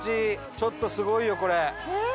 ちょっとすごいよこれ。